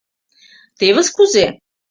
«Тевыс кузе!